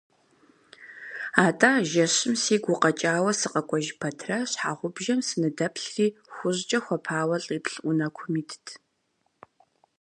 Атӏэ, а жэщым сигу укъэкӏауэ сыкъэкӏуэж пэтрэ, щхьэгъубжэм сыныдэплъри, хужькӏэ хуэпауэ лӏиплӏ унэкум итт.